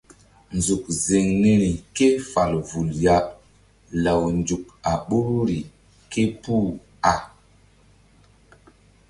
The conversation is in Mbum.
Nzuk ziŋ niri ke fal vul ya law nzuk a ɓoruri képuh a.